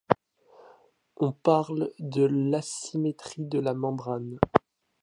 On parle de l’asymétrie de la membrane.